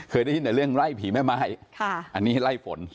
เคยได้ยินแต่เรื่องไล่ผีแม่ไม้อันนี้ไล่ฝน